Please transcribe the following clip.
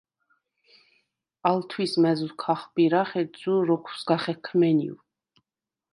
ალ თვის მაზუს ქახბირახ, ეჯზუ როქვ სგა ხექმენივ.